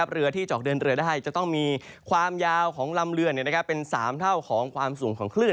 เรือที่เจาะเดินเรือได้จะต้องมีความยาวของลำเรือเป็น๓เท่าของความสูงของคลื่น